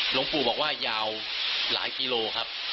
หลวงปู่บอกว่ายาวหลายกิโลครับ